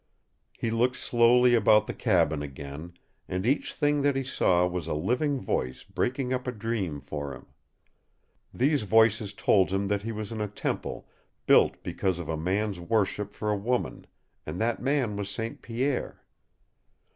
He looked slowly about the cabin again and each thing that he saw was a living voice breaking up a dream for him. These voices told him that he was in a temple built because of a man's worship for a woman and that man was St. Pierre.